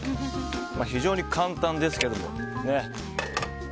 非常に簡単ですけど。